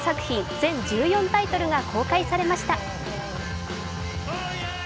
全１４タイトルが公開されました。